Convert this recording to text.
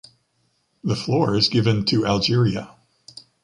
The floor is given to Algeria.